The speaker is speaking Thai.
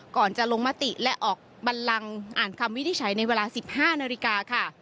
ก่อนจะลงมติและออกบันลังอ่านคำวินิจฉัยในเวลา๑๕นาฬิกาค่ะ